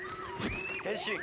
変身。